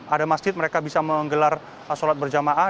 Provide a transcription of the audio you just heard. ada masjid mereka bisa menggelar sholat berjamaah